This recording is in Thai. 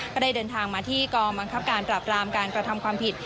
ก็ได้เดินทางมาที่กองบังคับการปราบรามการกระทำความผิด